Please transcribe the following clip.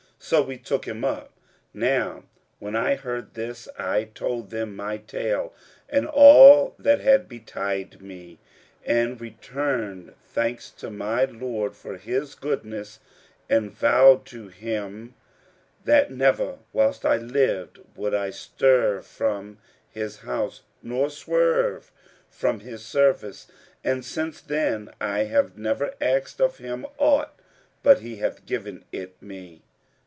So we took him up.' Now when I heard this, I told them my tale and all that had betided me and returned thanks to my Lord for His goodness, and vowed to Him that never, whilst I lived, would I stir from His House nor swerve from His service; and since then I have never asked of Him aught but He hath given it me.'